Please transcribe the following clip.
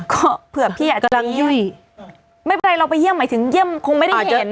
ก็เผื่อพี่อาจจะยังไม่เป็นไรเราไปเยี่ยมหมายถึงเยี่ยมคงไม่ได้เห็น